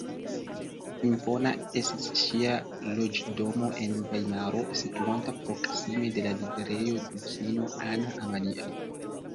Impona estis ŝia loĝdomo en Vajmaro, situanta proksime de la Librejo Dukino Anna Amalia.